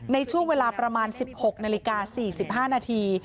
ในช่วงเวลาประมาณ๑๖นาฬิกา๔๕นาที